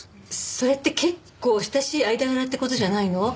それって結構親しい間柄って事じゃないの？